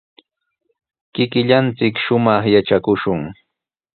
Kikillanchik shumaq yatrakushun.